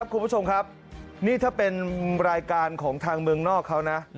คุณผู้ชมครับนี่ถ้าเป็นรายการของทางเมืองนอกเขานะ